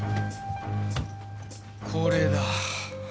これだ。